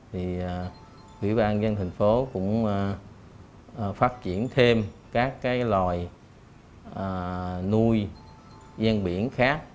thủy ban dân thành phố cũng phát triển thêm các loài nuôi gian biển khác